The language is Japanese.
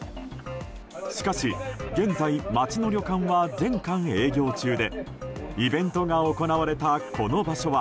しかし現在、町の旅館は全館営業中でイベントが行われた、この場所は